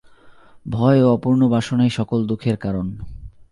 ভয় ও অপূর্ণ বাসনাই সকল দুঃখের কারণ।